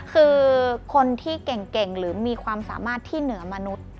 คือคนที่เก่งหรือมีความสามารถที่เหนือมนุษย์